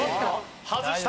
外した。